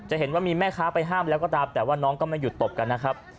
เห็นว่ามีแม่ค้าไปห้ามแล้วก็ตามแต่ว่าน้องก็ไม่หยุดตบกันนะครับ